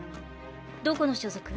どこの所属？